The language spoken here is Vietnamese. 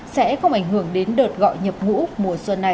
sẽ không ảnh hưởng đến đợt gọi nhập ngũ mùa xuân này